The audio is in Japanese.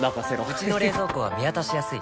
うちの冷蔵庫は見渡しやすい